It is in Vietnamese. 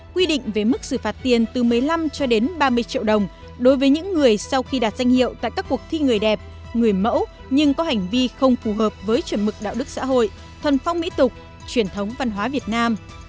quy định về mức xử phạt tiền từ một mươi năm cho đến ba mươi triệu đồng đối với những người sau khi đạt danh hiệu tại các cuộc thi người đẹp người mẫu nhưng có hành vi không phù hợp với chuẩn mực đạo đức xã hội thuần phong mỹ tục truyền thống văn hóa việt nam